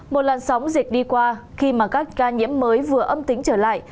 một làn sóng dịch đi qua khi mà các ca nhiễm mới vừa âm tính trở lại